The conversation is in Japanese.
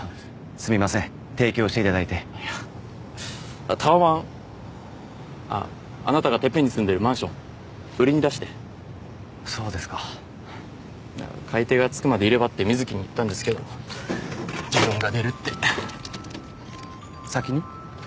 すみません提供していただいていやタワマンあっあなたがてっぺんに住んでるマンション売りに出してそうですか買い手がつくまでいればって瑞貴に言ったんですけど自分が出るって先に？